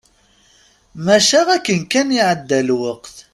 Maca akken kan iɛedda lweqt.